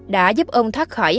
đã giúp ông thoát khỏi